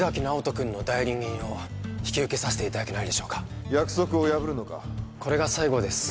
尚人君の代理人を引き受けさせていただけないでしょうか約束を破るのかこれが最後です